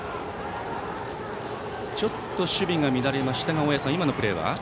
ちょっと守備が乱れましたが大矢さん、今のプレーは？